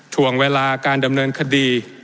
ถ่วงเวลาการดำเนินคดี